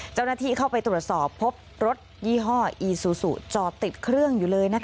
เจ้าหน้าที่เข้าไปตรวจสอบพบรถยี่ห้ออีซูซูจอดติดเครื่องอยู่เลย